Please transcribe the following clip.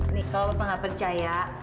nih kalau papa gak percaya